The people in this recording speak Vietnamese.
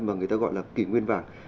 mà người ta gọi là kỷ nguyên vàng